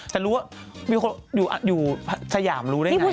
แต่รู้ว่ามีคนอยู่สยามรู้ได้ไง